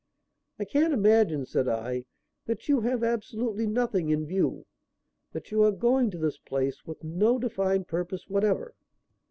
"I can't imagine," said I, "that you have absolutely nothing in view. That you are going to this place with no defined purpose whatever."